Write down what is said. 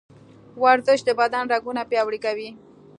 ورزش د بدن رګونه پیاوړي کوي.